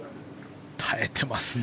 耐えてますね。